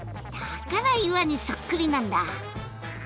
だから岩にそっくりなんだ。